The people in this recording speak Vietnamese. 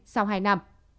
sau hai năm